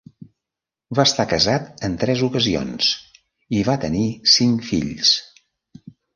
Va estar casat en tres ocasions i va tenir cinc fills.